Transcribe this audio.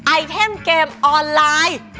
ไอเทมเกมออนไลน์